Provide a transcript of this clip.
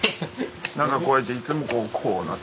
何かこうやっていつもこうなって。